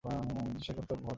বিস্ময়কর তো বটেই।